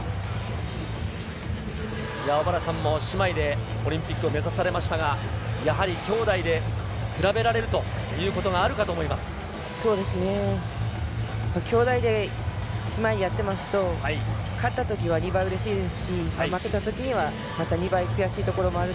小原さんも姉妹でオリンピックを目指されましたが、やはりきょうだいで比べられるということそうですね。